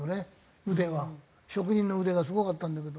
職人の腕がすごかったんだけど。